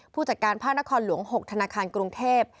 ผู้จัดการภาคนครหลวง๖ธนาคารกรุงเทพ